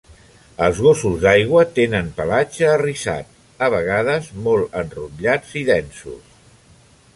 Els gossos d'aigua tenen pelatge arrissats, a vegades molt enrotllats i densos.